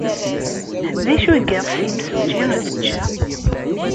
D acu ay yeɣs yimsujji ad t-ččeɣ?